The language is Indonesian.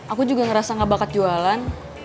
aku juga ngerasa gak bakat jualan